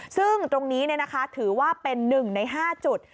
ซึ่งตรงนี้ถือว่าเป็น๑ใน๕จุด